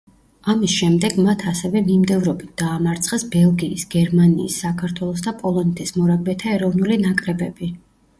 ამის შემდეგ მათ ასევე მიმდევრობით დაამარცხეს ბელგიის, გერმანიის, საქართველოს და პოლონეთის მორაგბეთა ეროვნული ნაკრებები.